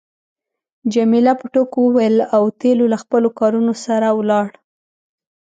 جميله په ټوکو وویل اوتیلو له خپلو کارونو سره ولاړ.